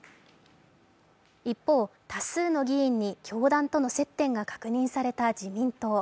一方、多数の議員に教団との接点が確認された自民党。